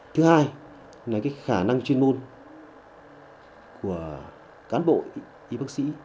thứ hai khả năng chuyên môn của cán bộ y bác sĩ